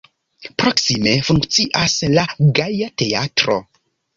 Proksime funkcias la Gaja Teatro.